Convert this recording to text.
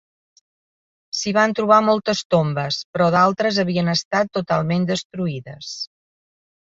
S'hi van trobar moltes tombes, però d'altres havien estat totalment destruïdes.